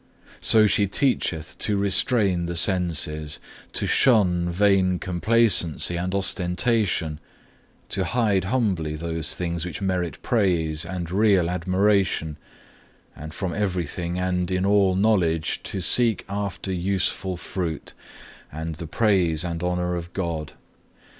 So she teacheth to restrain the senses, to shun vain complacency and ostentation, to hide humbly those things which merit praise and real admiration, and from everything and in all knowledge to seek after useful fruit, and the praise and honour of God.